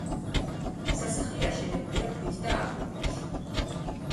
სასახლე აშენებულია ქვით და აგურით.